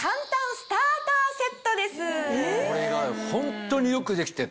これがホントによく出来てる。